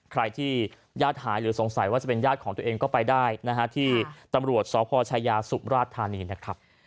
ใครที่ญาติหายหรือสงสัยว่าจะเป็นญาติของตัวเองก็ไปได้นะฮะที่ตำรวจสพชายาสุมราชธานีนะครับ